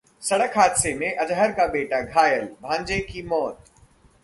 सड़क हादसे में अजहर का बेटा घायल, भांजे की मौत